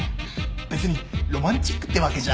別にロマンチックってわけじゃ。